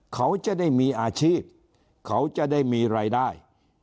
เขาจะได้มีอาชีพเขาจะได้มีรายได้